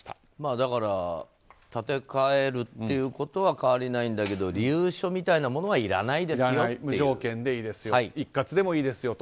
だから、立て替えるってことは変わりないんだけど理由書みたいなものはいらないですよと。